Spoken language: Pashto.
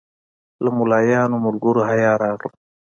له ملایانو ملګرو حیا راغله.